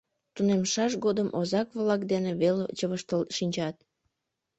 Тунемшаш годым озак-влак дене веле чывыштыл шинчат.